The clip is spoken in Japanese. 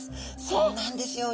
そうなんですよ。